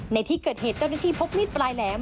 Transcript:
ในที่เกิดเหตุเจ้าหน้าที่พบมีดปลายแหลม